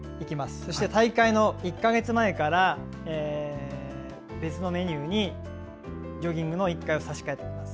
そして大会の１か月前から別のメニューにジョギングの１回を差し替えます。